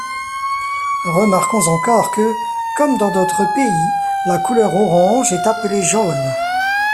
Remarquons encore que, comme dans d'autres pays, la couleur orange est appelée jaune.